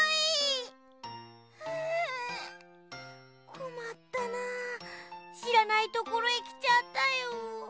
こまったなしらないところへきちゃったよ。